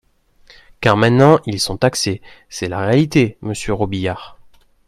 car maintenant ils sont taxés :, C’est la réalité, monsieur Robiliard